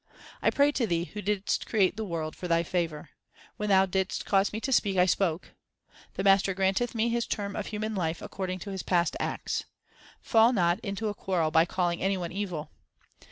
I pray to Thee, who didst create the world, for Thy favour, When Thou didst cause me to speak, I spoke. The Master granteth man his term of human life according to his past acts. Fall not into a quarrel by calling any one evil.